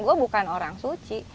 gue bukan orang suci